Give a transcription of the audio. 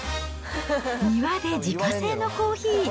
庭で自家製のコーヒー。